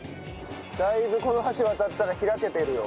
だいぶこの橋渡ったら開けてるよ。